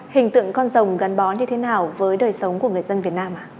hình tượng con rồng gắn bó như thế nào với đời sống của người dân việt nam ạ